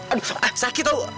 aduh sakit tau